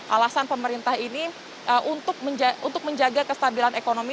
alasan pemerintah ini untuk menjaga kestabilan ekonomi